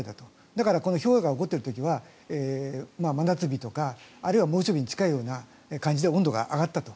だからこのひょうが起こっている時は真夏日とか、あるいは猛暑日に近いような感じで温度が上がったと。